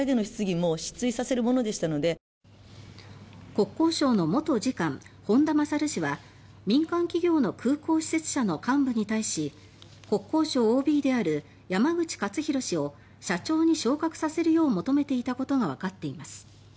国交省の元次官・本田勝氏は民間企業の空港施設社の幹部に対し国交省ＯＢである山口勝弘氏を社長に昇格させるよう求めていたことがわかっています。